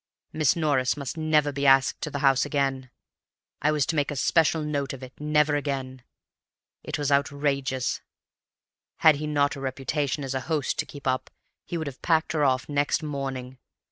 Miss Norris must never be asked to the house again; I was to make a special note of it; never again. It was outrageous. Had he not a reputation as a host to keep up, he would pack her off next morning.